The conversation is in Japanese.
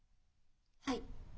はい。